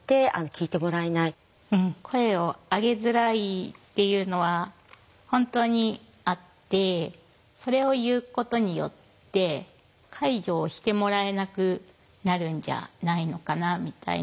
声を上げづらいっていうのは本当にあってそれを言うことによって介助をしてもらえなくなるんじゃないのかなみたいな。